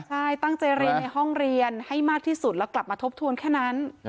ใช่ตั้งใจเรียนในห้องเรียนให้มากที่สุดแล้วกลับมาทบทวนแค่นั้น